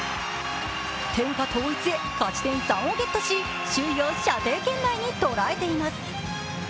天下統一へ、勝ち点３をゲットし首位を射程圏内にとらえています。